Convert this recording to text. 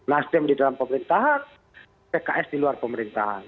nasdem di dalam pemerintahan pks di luar pemerintahan